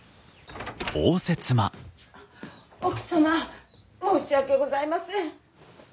奥様申し訳ございません。